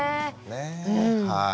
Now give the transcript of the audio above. はい。